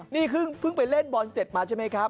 นี่เพิ่งไปเล่นบอลเสร็จมาใช่ไหมครับ